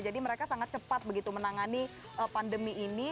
jadi mereka sangat cepat begitu menangani pandemi ini